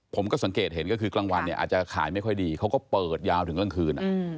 ผมก็สังเกตเห็นก็คือกลางวันเนี่ยอาจจะขายไม่ค่อยดีเขาก็เปิดยาวถึงกลางคืน